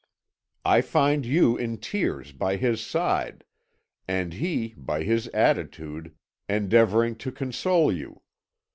I find you in tears by his side, and he, by his attitude, endeavouring to console you.